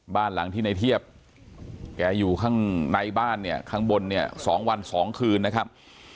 บ้านหลังที่ในเทียบแกอยู่ข้างในบ้านเนี่ยข้างบนเนี่ย๒วัน๒คืนนะครับ